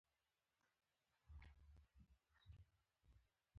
د سرپل په ګوسفندي کې د څه شي نښې دي؟